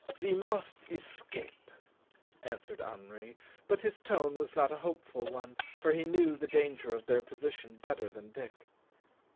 "Ve must escape," answered Henri; but his tone was not a hopeful one, for he knew the danger of their position better than Dick.